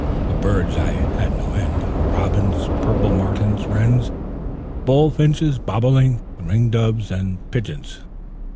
Of birds I had no end, robins, purple martins, wrens, bulfinches, bobolinks, ringdoves, and pigeons.